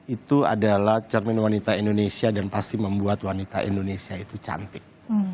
itu adalah cermin wanita indonesia dan pasti membuat wanita indonesia itu cantik